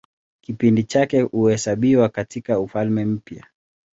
Kipindi chake huhesabiwa katIka Ufalme Mpya.